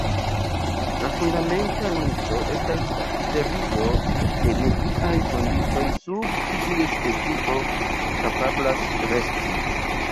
La fundamenta niĉo estas la serio de mediaj kondiĉoj sub kiuj specio kapablas resti.